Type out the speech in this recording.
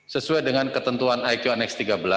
sesuai dengan ketentuan iq annex tiga belas